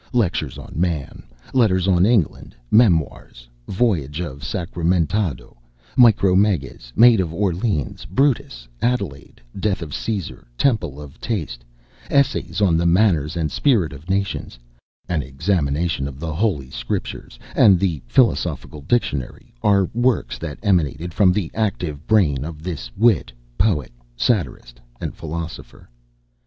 "Lectures on Man," "Letters on England," "Memoirs," "Voyage of Sacramentado," "Micromegas," "Maid of Orleans," "Brutus," "Adelaide," "Death of C├"sar," "Temple of Taste," "Essay on the Manners and Spirit of Nations," "An Examination of the Holy Scriptures," and the "Philosophical Dictionary," are works that emanated from the active brain of this wit, poet, satirist, and philosopher.